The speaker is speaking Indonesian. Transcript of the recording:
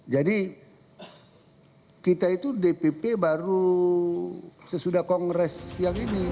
jadi kita itu dpp baru sesudah kongres yang ini